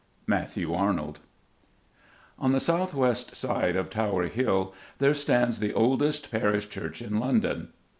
MATTHEW ARNOLD. On the south west side of Tower Hill there stands the oldest parish church in London.